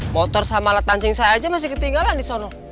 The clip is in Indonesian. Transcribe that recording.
motor sama alat pancing saya aja masih ketinggalan disono